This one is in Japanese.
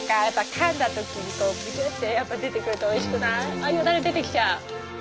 あっよだれ出てきちゃう。